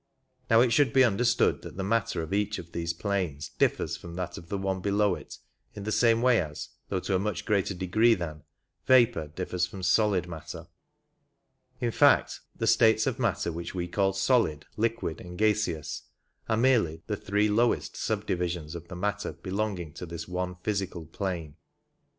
Now it should be understood that the matter of each of these planes differs from that of the one below it in the same way as, though to a much greater degree than, vapour differs from solid matter ; in fact, the states of matter which we call solid, liquid, and gaseous are merely the three lowest subdivisions of the matter belonging to this one physical plane.